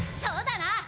そうだな！